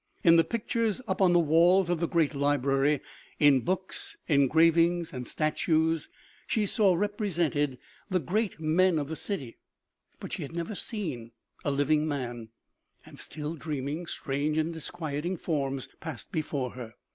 In the pictures up on the walls of the great library, in books, engrav ings and statues, she saw represented the great men of 254 OMEGA. the city, but she had never seen a living man ; and still dreaming, strange and disquieting forms passed be fore her.